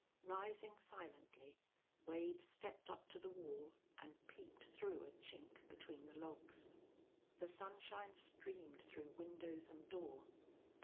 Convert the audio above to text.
Rising silently, Wade stepped up to the wall and peeped through a chink between the logs. The sunshine streamed through windows and door.